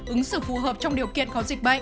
ứng xử phù hợp trong điều kiện có dịch bệnh